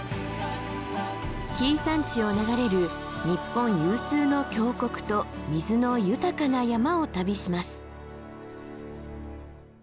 紀伊山地を流れる日本有数の峡谷と水の豊かな山を旅します。